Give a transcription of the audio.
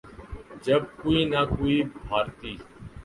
جب کوئی نہ کوئی بھارتی